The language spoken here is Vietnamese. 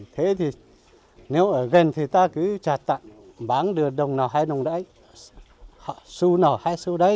thế thì nếu ở gần thì ta cứ trả tặng bán được đồng nào hai đồng đấy xu nào hai xu đấy